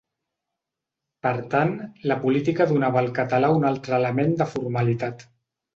Per tant, la política donava al català un altre element de formalitat.